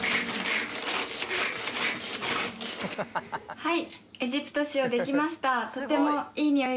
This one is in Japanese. はい！